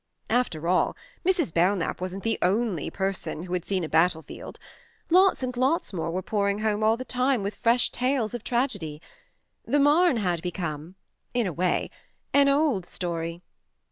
After all, Mrs. Belknap wasn't the only person who had seen a battlefield ! Lots and lots more were pouring home all the time with fresh tales of tragedy : the Marne had become in a way an old story.